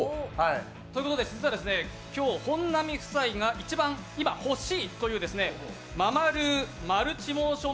ということで実は今日、本並夫妻が今、一番欲しいというｍａｍａＲｏｏマルチモーション